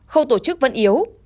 khâu tổ chức vẫn yếu